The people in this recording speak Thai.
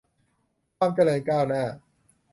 ความเจริญก้าวหน้า